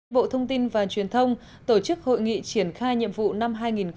bộ thông tin và truyền thông tổ chức hội nghị triển khai nhiệm vụ năm hai nghìn một mươi chín